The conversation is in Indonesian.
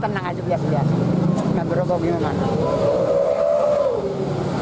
biar berubah gimana